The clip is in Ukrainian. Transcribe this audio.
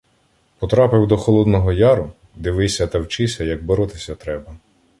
Потрапив до Холодного Яру — дивися та вчися, як боротися треба.